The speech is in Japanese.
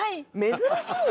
珍しいね。